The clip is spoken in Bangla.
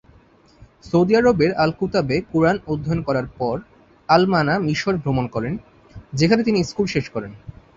সৌদি আরবের আল-কুতাবে কুরআন অধ্যয়ন করার পর আল-মানা মিশর ভ্রমণ করেন, যেখানে তিনি স্কুল শেষ করেন।